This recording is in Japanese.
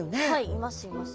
いますいます。